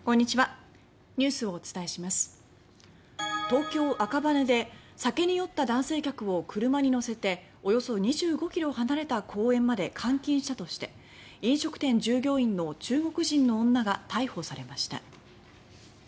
東京・赤羽で酒に酔った男性客を車に乗せておよそ２５ｋｍ離れた公園まで監禁したとして飲食店従業員の中国人の女が逮捕されました。